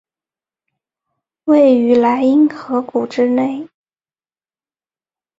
位于莱茵河谷之内。